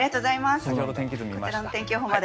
こちらの天気予報まで。